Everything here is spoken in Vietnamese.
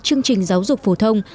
chương trình giáo dục phổ thông